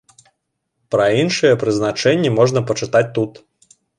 Пра іншыя прызначэнні можна пачытаць тут.